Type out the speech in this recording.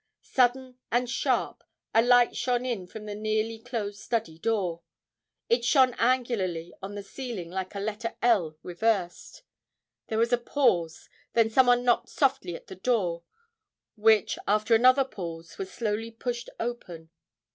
Sudden and sharp, a light shone in from the nearly closed study door. It shone angularly on the ceiling like a letter L reversed. There was a pause. Then some one knocked softly at the door, which after another pause was slowly pushed open.